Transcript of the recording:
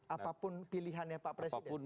apapun pilihannya pak presiden